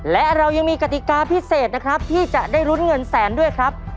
และเรายังมีกติกาพิเศษนะครับที่จะได้ลุ้นเงินแสนด้วยครับ